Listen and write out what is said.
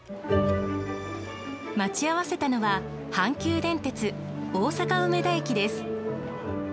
待ち合わせたのは阪急電鉄大阪梅田駅です。